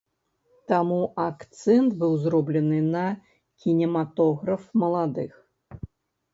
Таму акцэнт быў зроблены на кінематограф маладых.